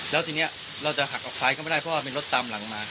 แล้วทีนี้เราจะหักออกซ้ายก็ไม่ได้เพราะว่ามีรถตามหลังมา